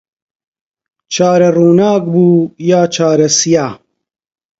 چارە ڕووناک بوو یا چارە سیا